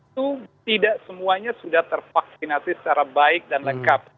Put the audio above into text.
itu tidak semuanya sudah tervaksinasi secara baik dan lengkap